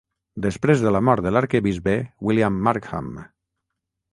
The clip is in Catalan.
Després de la mort de l'arquebisbe William Markham.